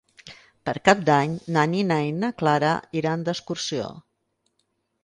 Per Cap d'Any na Nina i na Clara iran d'excursió.